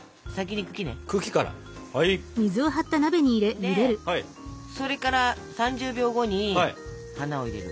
でそれから３０秒後に花を入れる。